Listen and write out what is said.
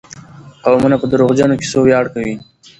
قومونه په دروغجنو کيسو وياړ کوي.